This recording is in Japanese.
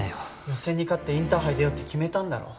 予選に勝ってインターハイ出ようって決めたんだろ？